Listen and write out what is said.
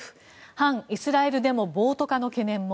反イスラエルデモ暴徒化の懸念も。